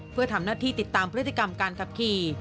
เพื่อทำหน้าที่ติดตามพฤติกรรมการขับขี่